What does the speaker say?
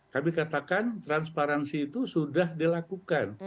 kami katakan transparansi itu sudah dilakukan